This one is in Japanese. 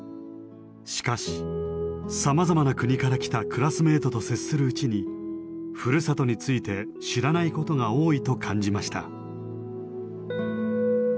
しかしさまざまな国から来たクラスメートと接するうちにふるさとについて知らないことが多いと感じました。